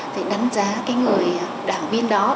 thì đánh giá cái người đảng viên đó